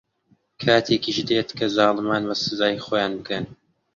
کاتێکیش دێت کە زاڵمان بە سزای خۆیان بگەن.